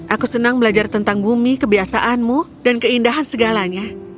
aku senang belajar tentang bumi kebiasaanmu dan keindahan segalanya